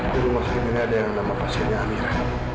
di rumah sakit ini ada yang nama pasalnya amir